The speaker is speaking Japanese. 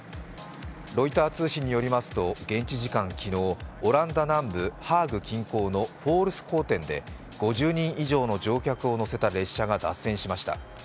ロイター通信によりますと現地時間機能、オランダ南部ハーグ近郊のフォールスコーテンで５０人以上の乗客を乗せた列車が脱線しました。